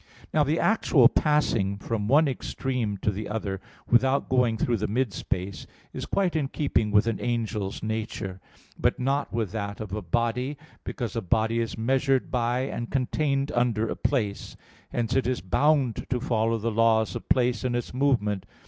Now, the actual passing from one extreme to the other, without going through the mid space, is quite in keeping with an angel's nature; but not with that of a body, because a body is measured by and contained under a place; hence it is bound to follow the laws of place in its movement.